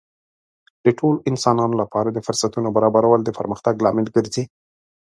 د ټولو انسانانو لپاره د فرصتونو برابرول د پرمختګ لامل ګرځي.